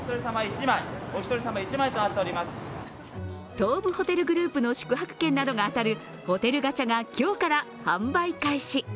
東武ホテルグループの宿泊券などが当たるホテルガチャが今日から販売開始。